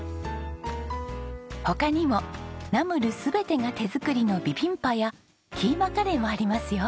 他にもナムル全てが手作りのビビンパやキーマカレーもありますよ。